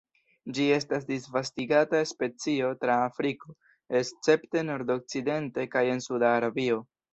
Ĝi estas disvastigata specio tra Afriko, escepte nordokcidente kaj en suda Arabio.